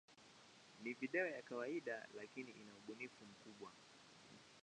Ni video ya kawaida, lakini ina ubunifu mkubwa.